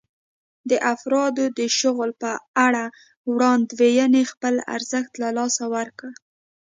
د افرادو د شغل په اړه وړاندوېنې خپل ارزښت له لاسه ورکړ.